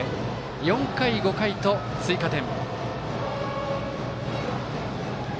４回、５回と追加点。